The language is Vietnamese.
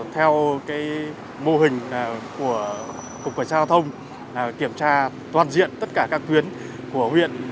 theo mô hình của cục cảnh sát giao thông kiểm tra toàn diện tất cả các tuyến của huyện